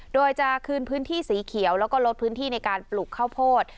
โดยจะคืนพื้นที่สีเขียวแล้วก็ลดพื้นที่ในการปลูกข้าวโพด